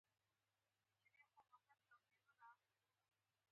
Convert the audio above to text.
ده وویل: بخښنه غواړم، زه پر تا نه پوهېدم.